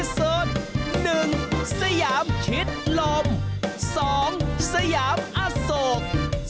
๑สยามอโศก